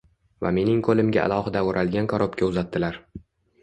Va mening qoʻlimga alohida oʻralgan karobka uzatdilar.